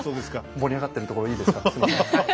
盛り上がってるところいいですか次の。